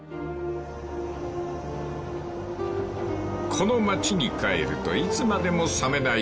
［この町に帰るといつまでも冷めない